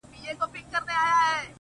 كوټه ښېراوي هر ماښام كومه ـ